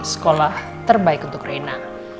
sekolah terbaik untuk rina